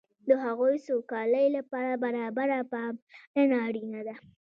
د هغوی سوکالۍ لپاره برابره پاملرنه اړینه ده.